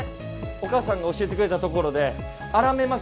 お母さんが教えてくれたところでアラメマキ。